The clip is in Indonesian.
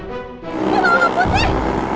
ya tuhan apaan ini